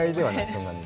そんなに。